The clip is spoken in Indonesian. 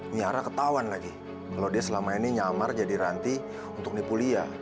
niara ketahuan lagi kalau dia selama ini nyamar jadi ranti untuk nipulia